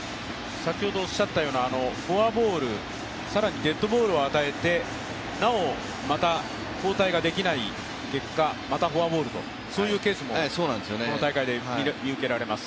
フォアボール更にデッドボールを与えてなおまた交代ができない結果、またフォアボールというケースもこの大会で見受けられます。